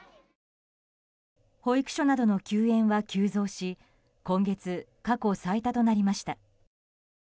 保育所などの休園は急増し今月、過去最多となりました。